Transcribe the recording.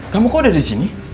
kamu kok udah disini